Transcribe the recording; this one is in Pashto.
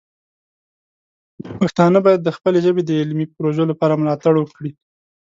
پښتانه باید د خپلې ژبې د علمي پروژو لپاره مالتړ وکړي.